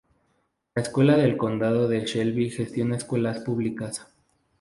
Las Escuelas del Condado de Shelby gestiona escuelas públicas.